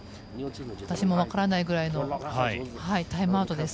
私も分からないぐらいのタイムアウトです。